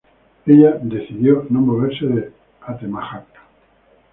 Ella decidió no moverse de Atemajac.